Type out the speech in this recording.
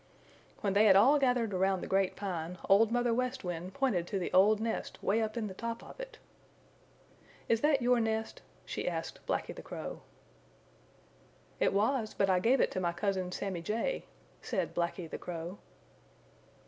When they had all gathered around the Great Pine, Old Mother West Wind pointed to the old nest way up in the top of it. "Is that your nest?" she asked Blacky the Crow. "It was, but I gave it to my cousin, Sammy Jay," said Blacky the Crow.